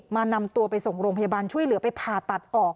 นำตัวไปส่งโรงพยาบาลช่วยเหลือไปผ่าตัดออก